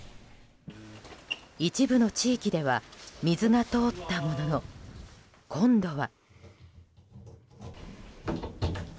一部の地域では水が通ったものの、今度は。